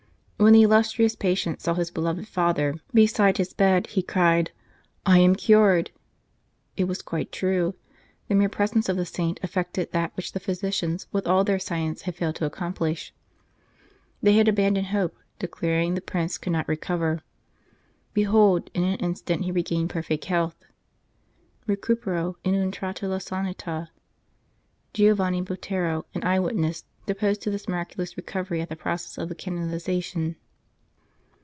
When the illustrious patient saw his beloved Father beside his bed, he cried, " I am cured !" It was quite true ; the mere presence of the saint effected that which the physicians, with all their science, had failed to accomplish. They had abandoned hope, declaring the Prince could not recover. Behold, in an instant he regained perfect health: "recupero in un tratto la sanita." Giovanni Botero, an eyewitness, deposed to this miraculous recovery at the process of the canonization.